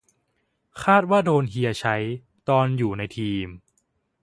คาดว่าโดนเฮียใช้ ตอนอยู่ในทีม